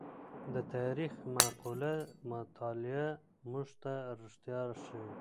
د تاریخ معقوله مطالعه موږ ته رښتیا ښيي.